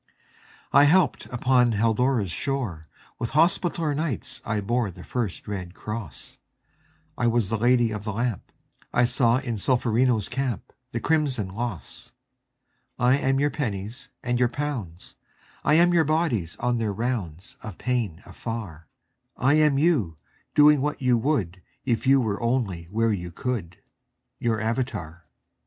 I helped upon Haldora's shore; With Hospitaller Knights I bore The first red cross; I was the Lady of the Lamp; I saw in Solferino's camp The crimson loss. 188 AUXILIARIES I am your pennies and your pounds; I am your bodies on their rounds Of pain afar; I am you, doing what you would If you were only where you could —■ Your avatar.